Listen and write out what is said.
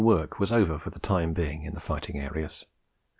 work was over for the time being in the fighting areas.